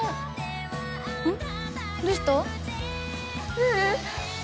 ううん。